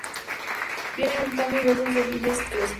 Viene un Tango y versos de Villa Crespo.